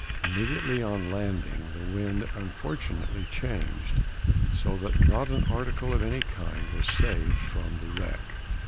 Immediately on landing, the wind unfortunately changed, so that not an article of any kind was saved from the wreck.